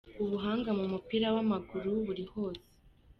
"Ubuhanga mu mupira w'amaguru buri hose.